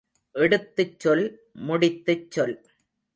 எடுத்துச் சொல் முடித்துச் சொல்.